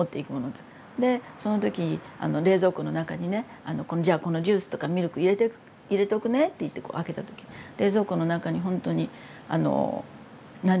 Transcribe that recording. でその時冷蔵庫の中にね「じゃあこのジュースとかミルク入れとくね」っていって開けた時冷蔵庫の中にほんとにあの何もなかったりとかね。